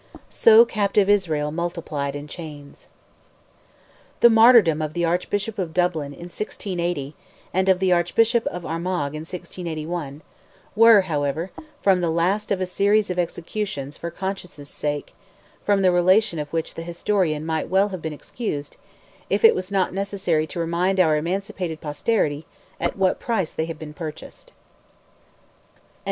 "So captive Israel multiplied in chains." The martyrdom of the Archbishop of Dublin, in 1680, and of the Archbishop of Armagh in 1681, were, however, the last of a series of executions for conscience' sake, from the relation of which the historian might well have been excused, if it was not necessary to remind our emancipated posterity at what a price they have been purchased.